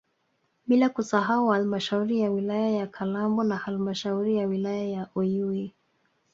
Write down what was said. Bila kusahau halmashauri ya wilaya ya Kalambo na halmashauri ya wilaya ya Uyui